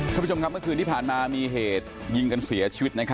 คุณผู้ชมครับเมื่อคืนที่ผ่านมามีเหตุยิงกันเสียชีวิต